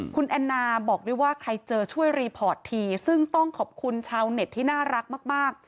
คุณแอนนาบอกด้วยว่าใครเจอช่วยรีพอร์ตทีซึ่งต้องขอบคุณชาวเน็ตที่น่ารักมาก